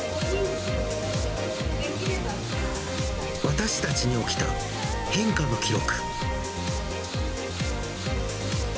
私たちに起きた変化の記録。